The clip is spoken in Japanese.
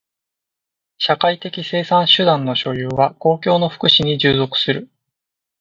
社会的生産手段の所有は公共の福祉に従属する。